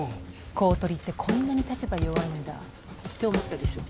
公取ってこんなに立場弱いんだ。って思ったでしょ？